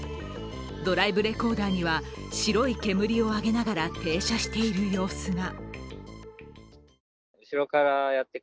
ドライブレコーダーには白い煙を上げながら停車している様子が。